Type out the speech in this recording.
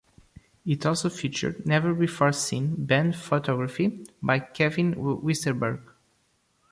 It also featured never-before-seen band photography by Kevin Westerberg.